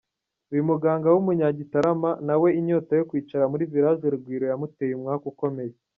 Uyu muganga w’umunyagitarama nawe inyota yo kwicara muri Village Urugwiro yamuteye umwaku ukomeye.